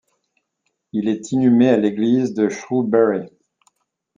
Il est inhumé à l'église de Shrewsbury.